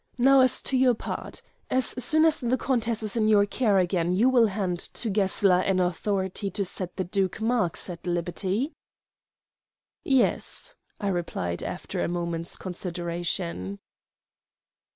Now as to your part. As soon as the countess is in your care again you will hand to Gessler an authority to set the Duke Marx at liberty?" "Yes," I replied after a moment's consideration.